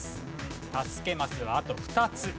助けマスはあと２つ。